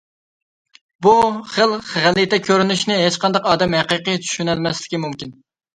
بۇ خىل غەلىتە كۆرۈنۈشنى ھېچقانداق ئادەم ھەقىقىي چۈشىنەلمەسلىكى مۇمكىن.